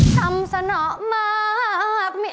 ทำสนอมาก